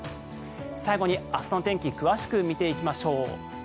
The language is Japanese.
最後に明日の天気詳しく見ていきましょう。